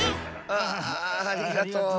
ああありがとう。